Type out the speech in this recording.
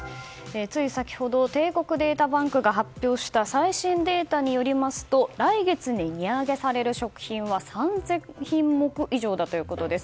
つい先ほど帝国データバンクが発表した最新データによりますと来月に値上げされる食品は３０００品目以上ということです。